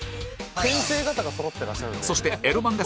先生方がそろってらっしゃるので。